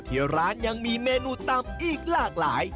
ที่ร้านยังมีเมนูตำอีกหลากหลาย